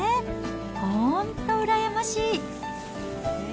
本当、うらやましい。